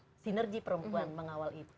bagaimana sinergi perempuan mengawal itu